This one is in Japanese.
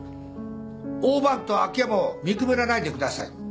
大番頭秋山を見くびらないでください。